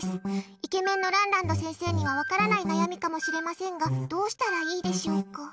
イケメンのランランド先生には分からない悩みかもしれませんがどうしたらいいでしょうか。